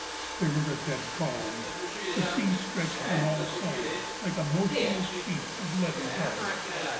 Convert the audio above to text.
There was a dead calm. The sea stretched on all sides like a motionless sheet of leaden colour.